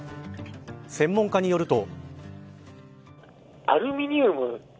専門家によると。